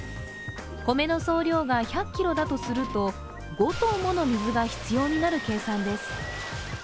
米の総量が１００ｋｇだとすると５ｔもの水が必要になる計算です。